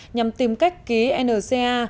nhằm tìm cách ký nca